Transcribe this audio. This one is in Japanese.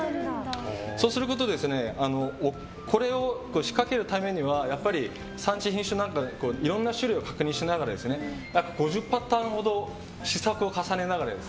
そうすることでこれを仕掛けるためには産地、品種いろんな種類を確認しながら約５０パターンほど試作を重ねながら。